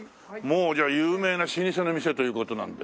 もうじゃあ有名な老舗の店という事なんで。